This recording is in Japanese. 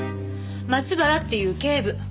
松原っていう警部。